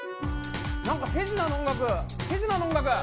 何か手品の音楽手品の音楽。